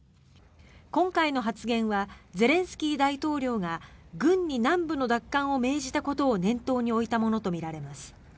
今回の発言はゼレンスキー大統領が軍に南部の奪還を命じたことを念頭に置いたものとみられます。